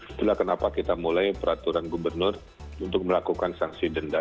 itulah kenapa kita mulai peraturan gubernur untuk melakukan sanksi denda